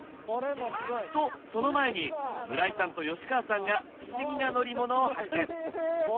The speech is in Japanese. とその前に村井さんと吉川さんが不思議な乗り物を発見！